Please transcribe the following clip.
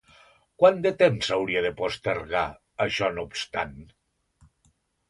Quant de temps s'hauria de postergar, això no obstant?